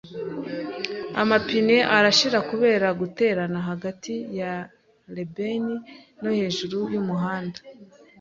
Amapine arashira kubera guterana hagati ya reberi no hejuru yumuhanda.